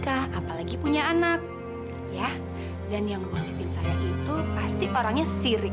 aku ingin dia sebagai anak hatinya sendiri